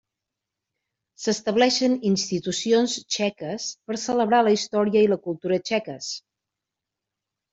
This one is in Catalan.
S'estableixen institucions txeques per celebrar la història i la cultura txeques.